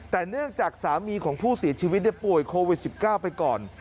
แต่เนื่องจากสามีของผู้เสียชีวิตป่วยโควิด๑๙ไปก่อน